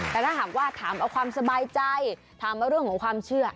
แต่ถ้าหากว่าถามเอาความสบายใจถามเอาเรื่องของความเชื่อ